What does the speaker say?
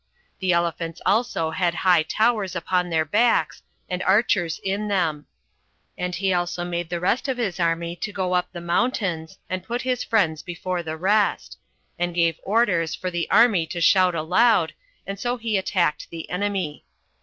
The elephants also had high towers [upon their backs], and archers [in them]. And he also made the rest of his army to go up the mountains, and put his friends before the rest; and gave orders for the army to shout aloud, and so he attacked the enemy.